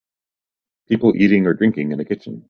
People eating or drinking in a kitchen.